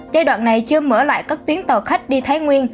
giai đoạn này chưa mở lại các tuyến tàu khách đi thái nguyên